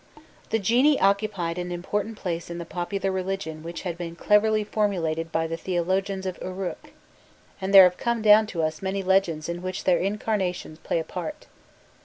These genii occupied an important place in the popular religion which had been cleverly formulated by the theologians of Uruk, and there have come down to us many legends in which their incarnations play a part.